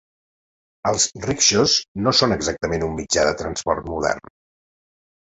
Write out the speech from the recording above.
Els rickshaws no són exactament un mitjà de transport modern.